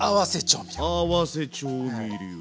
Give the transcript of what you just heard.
合わせ調味料。